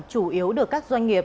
chủ yếu được các doanh nghiệp